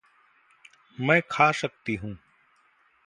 मैं खा सकती हूँ।